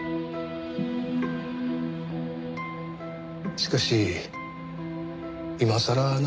しかし今さら何を？